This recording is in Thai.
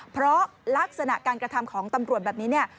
เพราะลักษณะการกระทำของตำรวจแบบนี้เนี่ย